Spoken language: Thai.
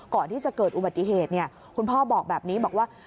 ก่อนที่จะเกิดอุบัติเหตุคุณพ่อบอกแบบนี้บอกว่า